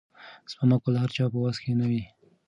سپما کول د هر چا په وس کې نه وي.